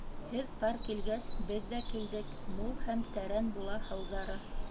Һеҙ пар килгәс, беҙ ҙә килдек, Мул һәм тәрән була һыуҙары.